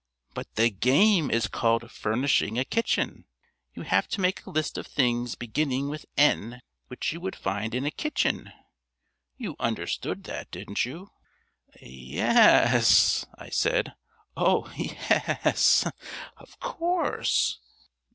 "But the game is called 'Furnishing a Kitchen.' You have to make a list of things beginning with N which you would find in a kitchen. You understood that, didn't you?" "Y y yes," I said. "Oh, y y y yes. Of course."